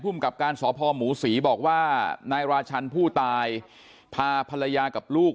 กับการสพหมูศรีบอกว่านายราชันผู้ตายพาภรรยากับลูก